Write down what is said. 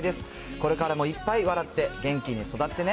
これからもいっぱい笑って、元気に育ってね！